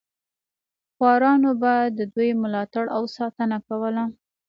خوارانو به د دوی ملاتړ او ساتنه کوله.